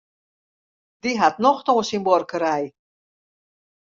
Dy hat nocht oan syn buorkerij.